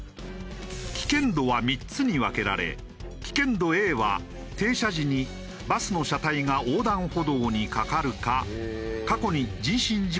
危険度は３つに分けられ危険度Ａは停車時にバスの車体が横断歩道にかかるか過去に人身事故が発生したバス停。